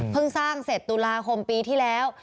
สร้างเสร็จตุลาคมปีที่แล้ว